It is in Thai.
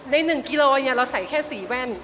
ใน๑กิโลเราใส่แค่๔แว่น